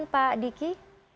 silakan pak diki